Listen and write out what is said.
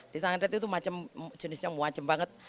disandet itu jenisnya macam macam banget